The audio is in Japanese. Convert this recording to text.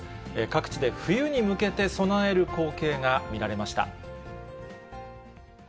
各地で冬に向けて備える光景が見られました。